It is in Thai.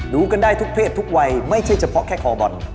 รู้กันได้ทุกเพศทุกวัยไม่ใช่เฉพาะแค่คอบอล